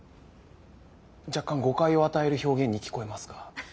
若干誤解を与える表現に聞こえますが。